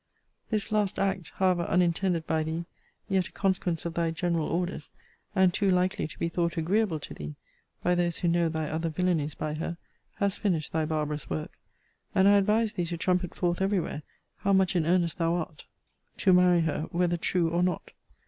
This last act, however unintended by thee, yet a consequence of thy general orders, and too likely to be thought agreeable to thee, by those who know thy other villanies by her, has finished thy barbarous work. And I advise thee to trumpet forth every where, how much in earnest thou art to marry her, whether true or not.